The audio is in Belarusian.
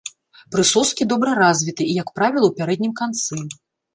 Прысоскі добра развіты і, як правіла, у пярэднім канцы.